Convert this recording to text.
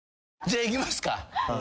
じゃあいきますか。